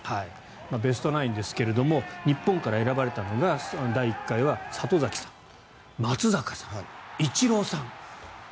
ベストナインですが日本から選ばれたのは里崎さん、松坂さんイチローさん。